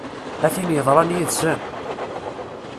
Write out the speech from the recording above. A tin yeḍran yid-sen!